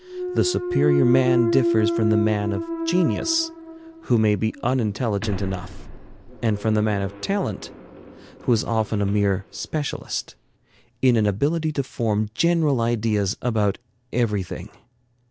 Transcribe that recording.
The superior man differs from the man of genius, who may be unintelligent enough, and from the man of talent, who is often a mere specialist, in an ability to form general ideas about everything.